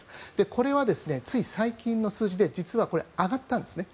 これはつい最近の数字で実は上がったんですね。